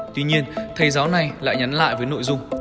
tuy nhiên thầy giáo này lại nhắn lại với nội dung